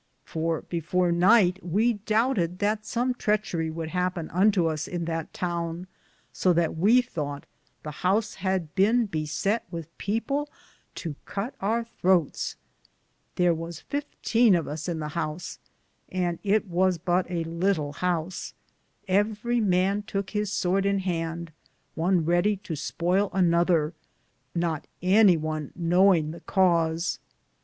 for before nyghte we doubted that some tritcherie would hapen unto us in that towne, so that we thoughte the house had bene besett with people to cutt our Throtes. Thare was 15 of us in the house, and it was bute a litle house ; everie man touke his sorde in hande, one reddie to spoyle another, not any one knowinge the Cause.